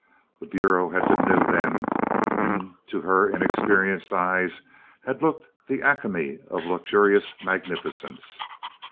The bureau had been new then and, to her inexperienced eyes, had looked the acme of luxurious magnificence.